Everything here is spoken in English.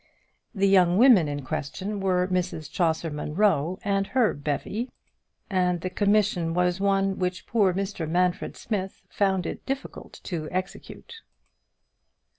The young women in question were Mrs Chaucer Munro and her bevy, and the commission was one which poor Manfred Smith found it difficult to execute.